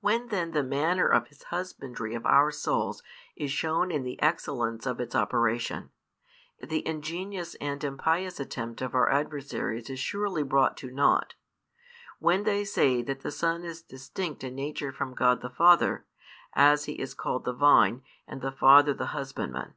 When then the manner of His husbandry of our souls is shown in the excellence of its operation, the ingenious and impious attempt of our adversaries is surely brought to nought, when they say that the Son is distinct in nature from God the Father, as He is called the Vine, and the Father the Husbandman.